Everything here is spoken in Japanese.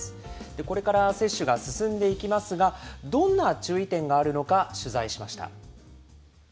これから接種が進んでいきますが、どんな注意点があるのか取材しました。